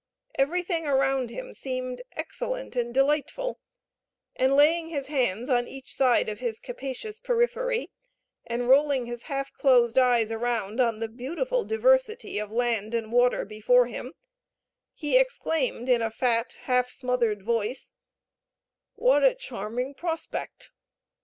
Everything around him seemed excellent and delightful; and laying his hands on each side of his capacious periphery, and rolling his half closed eyes around on the beautiful diversity of land and water before him, he exclaimed, in a fat, half smothered voice, "What a charming prospect!"